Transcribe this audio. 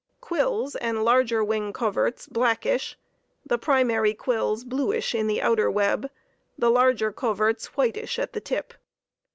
Quills and larger wing coverts blackish, the primary quills bluish in the outer web, the larger coverts whitish at the tip.